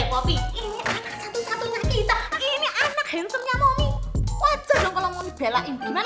kamu tenang aja ya